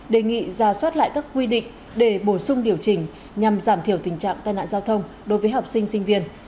đề nghị ra soát lại các quy định để bổ sung điều chỉnh nhằm giảm thiểu tình trạng tai nạn giao thông đối với học sinh sinh viên